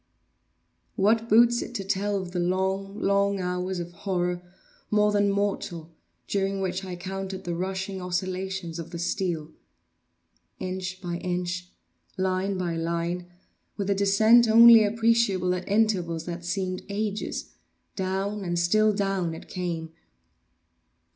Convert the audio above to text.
What boots it to tell of the long, long hours of horror more than mortal, during which I counted the rushing vibrations of the steel! Inch by inch—line by line—with a descent only appreciable at intervals that seemed ages—down and still down it came!